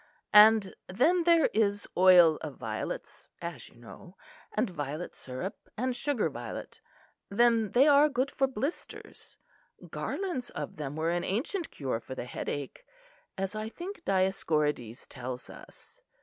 And then there is oil of violets, as you know; and violet syrup and sugar violet; then they are good for blisters; garlands of them were an ancient cure for the headache, as I think Dioscorides tells us.